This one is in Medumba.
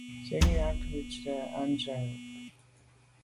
Mfen yag ke ntswe à ntshwèt.